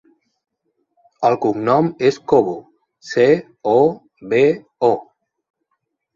El cognom és Cobo: ce, o, be, o.